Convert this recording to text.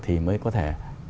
thì mới có thể